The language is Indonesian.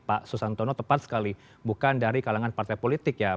pak susantono tepat sekali bukan dari kalangan partai politik ya